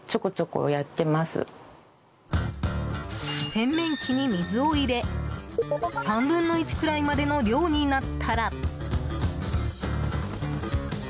洗面器に水を入れ３分の１くらいまでの量になったら。